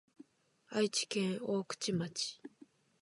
愛知県大口町